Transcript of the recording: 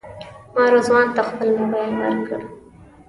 ما رضوان ته خپل موبایل ورکړ.